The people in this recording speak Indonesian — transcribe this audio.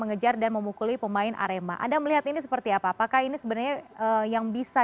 mengejar dan memukuli pemain arema anda melihat ini seperti apa apakah ini sebenarnya yang bisa